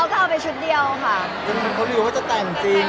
รู้ไม่เป็นชุดวันนั้นมันไม่ได้ดำเนี่ย